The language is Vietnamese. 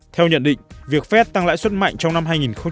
theo nhận định việc phép tăng lãi suất mạnh trong năm hai nghìn một mươi tám